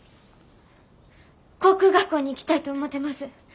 航空学校に行きたいと思てます。